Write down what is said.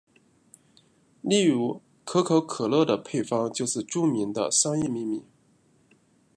例如可口可乐的配方就是著名的商业秘密。